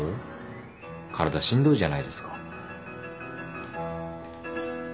体しんどいじゃないですか。